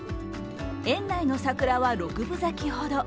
園内の桜は六分咲きほど。